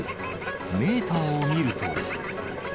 メーターを見ると。